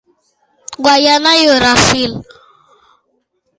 Guaiana i Brasil.